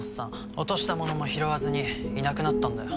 落とした物も拾わずにいなくなったんだよ。